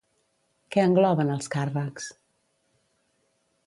Què engloben els càrrecs?